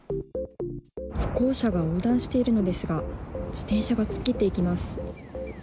歩行者が横断しているのですが自転車が突っ切っていきます。